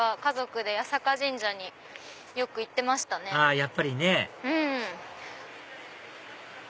やっぱりね